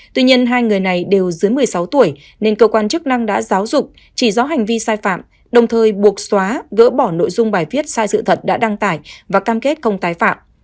tuy nhiên hai người này đều dưới một mươi sáu tuổi nên cơ quan chức năng đã giáo dục chỉ rõ hành vi sai phạm đồng thời buộc xóa gỡ bỏ nội dung bài viết sai sự thật đã đăng tải và cam kết không tái phạm